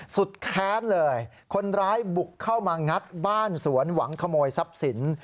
แค้นเลยคนร้ายบุกเข้ามางัดบ้านสวนหวังขโมยทรัพย์สิน